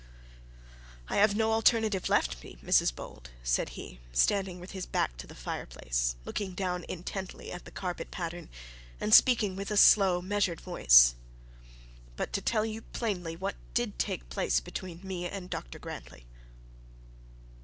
'I have no alternative left to me, Mrs Bold,' said he, standing with his back to the fire place, looking down intently at the carpet pattern and speaking with a slow measured voice, 'but to tell you plainly what did take place between me and Dr Grantly.'